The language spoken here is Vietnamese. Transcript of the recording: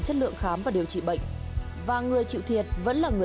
tức là em thấy rất thích người biết đến nó